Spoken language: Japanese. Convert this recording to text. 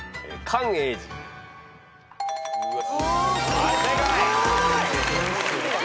はい正解。